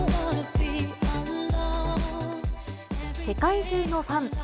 世界中のファン